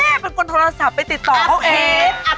แม่เป็นคนโทรศัพท์ไปติดต่อกับเค้ก